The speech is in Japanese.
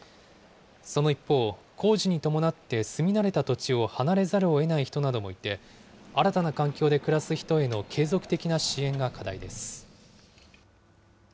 その一方、工事に伴って住み慣れた土地を離れざるをえない人などもいて、新たな環境で暮らす人への継続的な支援が課題です。